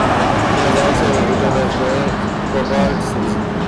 He was also editor of the Cobalt Citizen.